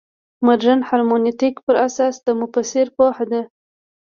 مډرن هرمنوتیک پر اساس د مفسر پوهه ده.